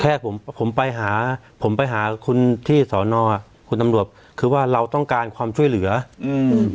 แค่ผมผมไปหาผมไปหาคุณที่สอนอคุณตำรวจคือว่าเราต้องการความช่วยเหลืออืม